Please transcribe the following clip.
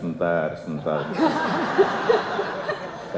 bentar bentar bentar